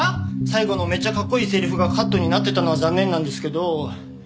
最後のめっちゃかっこいいセリフがカットになってたのは残念なんですけど。